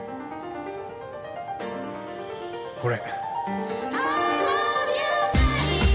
これ。